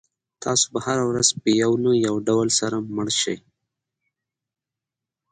تاسو به هره ورځ په یو نه یو ډول سره مړ شئ.